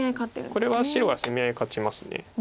これは白が攻め合い勝ちます。